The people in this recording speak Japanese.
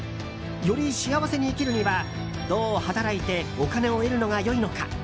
より幸せに生きるにはどう働いてお金を得るのが良いのか？